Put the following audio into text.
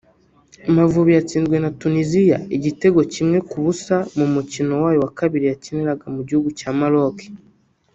Amavubi yatsinzwe na Tuniziya igitego kimwe ku busa mu mukino wayo wa kabiri yakiniraga mu gihugu cya Maroc